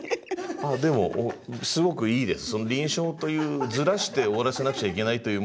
でもすごくいいです。